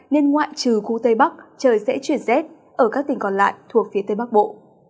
nên ngoại trừ khu tây bắc trời sẽ chuyển rét ở các tỉnh còn lại thuộc phía tây bắc bộ